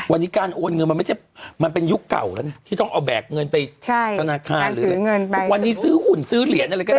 วันนี้การโอนเงินมันไม่ใช่มันเป็นยุคเก่าแล้วนะที่ต้องเอาแบกเงินไปธนาคารหรือทุกวันนี้ซื้อหุ่นซื้อเหรียญอะไรก็ได้